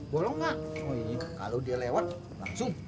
bolong kalau dia lewat langsung